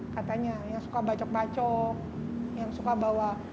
katanya yang suka bacok bacok yang suka bawa